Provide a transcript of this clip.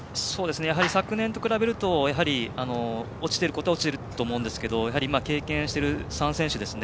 昨年と比べると落ちていることは落ちていると思うんですけど経験をしている３選手ですね。